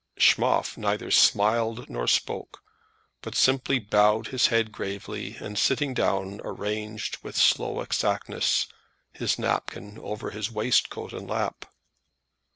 Schmoff neither smiled nor spoke, but simply bowed his head gravely, and sitting down, arranged with slow exactness his napkin over his waistcoat and lap.